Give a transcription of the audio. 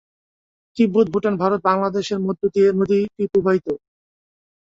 তিব্বত, ভুটান, ভারত, বাংলাদেশের মধ্য দিয়ে নদীটি প্রবাহিত।